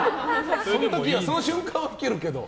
その瞬間は老けるけど。